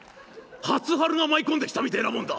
初春が舞い込んできたみてえなもんだ。